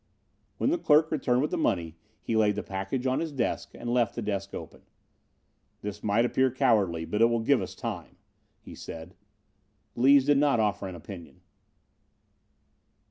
When the clerk returned with the money he laid the package on his desk and left the desk open. "This might appear cowardly, but it will give us time," he said. Lees did not offer an opinion.